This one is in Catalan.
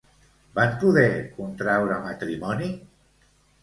Van poder contraure matrimoni?